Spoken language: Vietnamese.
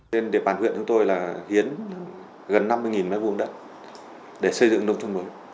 trên địa bàn huyện chúng tôi là hiến gần năm mươi m hai đất để xây dựng nông thôn mới